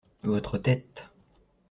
Votre tête.